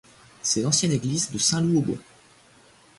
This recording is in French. C'est l'ancienne église de Saint-Loup-aux-Bois.